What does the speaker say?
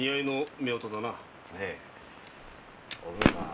ええおくみさん